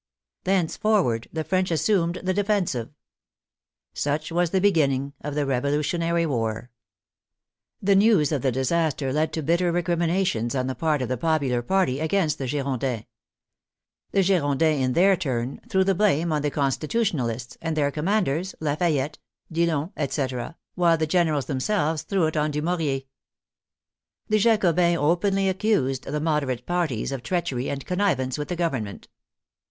Thenceforward, the French assumed the defensive. Such was the beginning of the Revolutionary War. The news of the disaster led to bitter recriminations, on the part of the popular party, against the Girondins. The Girondins, in their turn, threw the blame on the Con stitutionalists, and their commanders, Lafayette, Dillon, etc., while the generals themselves threw it on Dumouriez. The Jacobins openly accused the Moderate parties of treachery and connivance with the Government.